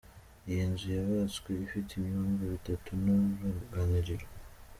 Iyi nzu yubatswe ifite ibyumba bitatu n’uruganiriro.